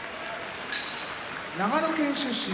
長野県出身